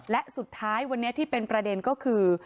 และสุดท้ายวันนี้ที่เป็นประเด็นก็คือ